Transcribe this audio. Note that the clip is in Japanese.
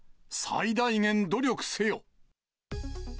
最大限努力せよ。